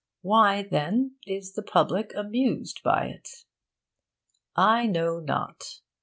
Why, then, is the public amused by it? I know not.